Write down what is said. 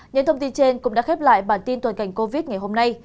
những thông tin trên cũng đã khép lại bản tin toàn cảnh covid ngày hôm nay